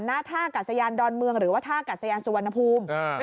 หน้าท่ากัศยานดอนเมืองหรือว่าท่ากัดสยานสุวรรณภูมิ